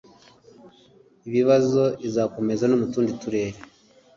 bibazo izakomereza no mu tundi Turere